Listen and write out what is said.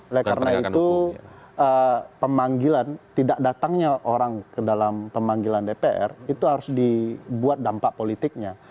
oleh karena itu pemanggilan tidak datangnya orang ke dalam pemanggilan dpr itu harus dibuat dampak politiknya